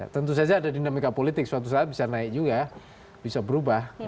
tentu saja ada dinamika politik suatu saat bisa naik juga bisa berubah